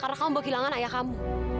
karena kamu mau kehilangan ayah kamu